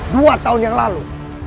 dua tahun yang lalu